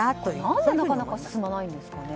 何でなかなか進まないんですかね。